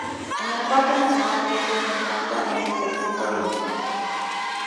El Parque nacional Suizo se encuentra en su segmento oriental.